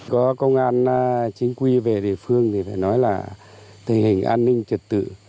có công an chính quy về địa phương thì phải nói là tình hình an ninh trật tự